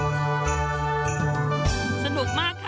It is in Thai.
ได้มีของติดไม้ติดมือกลับบ้านไปด้วยค่ะ